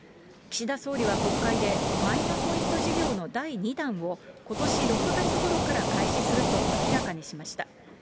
岸田総理は国会で、マイナポイント事業の第２弾をことし６月ごろから開始すると明らかにしました。